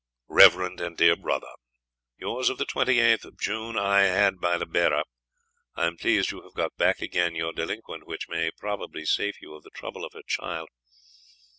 "Rev. and dear Brother, Yrs of the 28th Jun I had by the bearer. Im pleased yo have got back again yr Delinquent which may probably safe you of the trouble of her child.